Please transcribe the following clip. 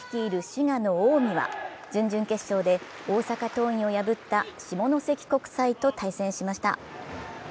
滋賀の近江は準々決勝で大阪桐蔭を破った下関国際と対戦しました。